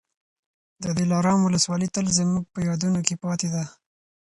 د دلارام ولسوالي تل زموږ په یادونو کي پاتې ده.